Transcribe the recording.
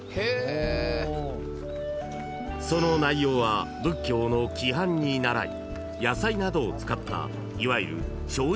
［その内容は仏教の規範にならい野菜などを使ったいわゆる］